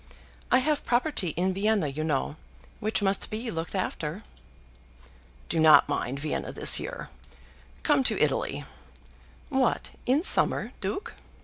I have property in Vienna you know, which must be looked after. "Do not mind Vienna this year. Come to Italy." "What; in summer, Duke?"